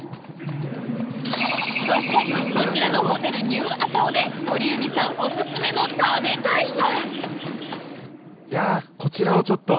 そしてこちらのホテルニューアカオで鳥海さんおすすめの食べたいが。